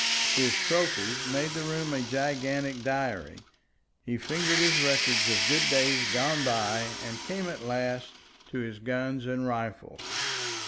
His trophies made the room a gigantic diary; he fingered his records of good days gone by and came at last to his guns and rifles.